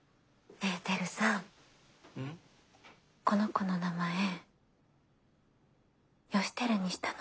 この子の名前義輝にしたの。